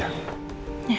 ya ya oke sayang ya